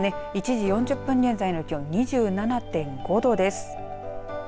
１時４０分現在の気温２７．５度です。